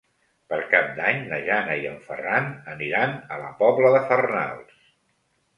Per Cap d'Any na Jana i en Ferran aniran a la Pobla de Farnals.